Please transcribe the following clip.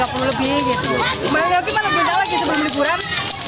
kembali kembali mana berhenti lagi sebelum liburan